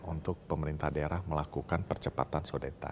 untuk pemerintah daerah melakukan percepatan sodeta